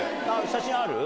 写真ある？